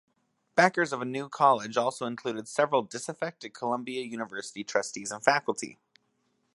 Backers of a new college also included several disaffected Columbia University trustees and faculty.